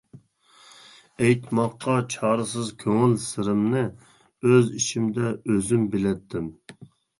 ئېيتماققا چارىسىز كۆڭۈل سىرىمنى، ئۆز ئىچىمدە ئۆزۈم بىلەتتىم.